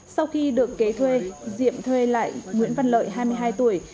sau khi được kế thuê diệm thuê lại nguyễn văn lợi hai mươi hai tuổi